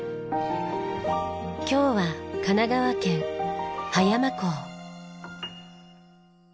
今日は神奈川県葉山港。